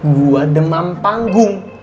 gua demam panggung